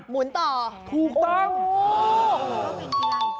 หมุนต่อถูกตั้งโอ้โฮ